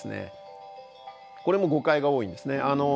これも誤解が多いんですね。